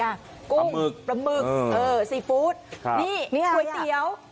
กุ้งหมึกปลาหมึกเออซีฟู้ดนี่ก๋วยเตี๋ยว